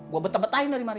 gue betah betahin dari mana